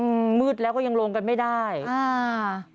อืมมืดแล้วก็ยังลงกันไม่ได้อ่า